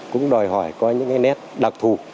cũng đòi hỏi có những cái nét đặc thù